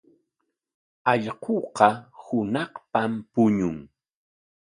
Allquuqa hunaqpam puñun.